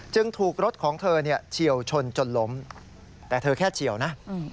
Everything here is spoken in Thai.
ถูกรถของเธอเฉียวชนจนล้มแต่เธอแค่เฉียวนะ